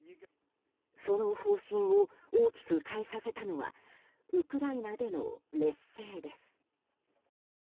その方針を大きく変えさせたのはウクライナでの劣勢です。